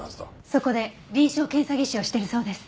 そこで臨床検査技師をしてるそうです。